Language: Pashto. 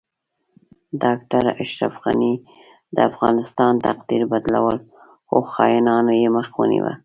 ډاکټر اشرف غنی د افغانستان تقدیر بدلو خو خاینانو یی مخه ونیوه